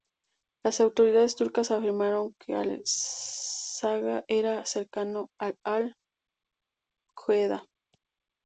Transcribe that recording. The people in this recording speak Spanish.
Las autoridades turcas afirmaron que al-Saqa era cercano a Al Qaeda.